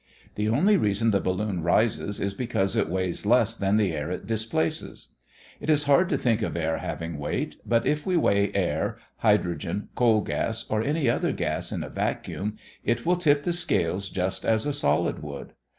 The only reason the balloon rises is because it weighs less than the air it displaces. It is hard to think of air as having weight, but if we weigh air, hydrogen, coal gas, or any other gas, in a vacuum, it will tip the scales just as a solid would.